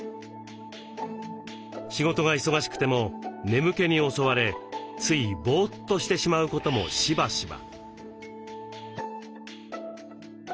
仕事が忙しくても眠気に襲われついボーッとしてしまうこともしばしば。